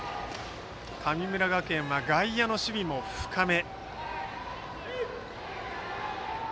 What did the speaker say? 神村学園は外野の守備も深め。